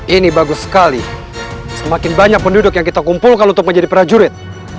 ini bagus sekali semakin banyak penduduk yang kita kumpulkan untuk menjadi prajurit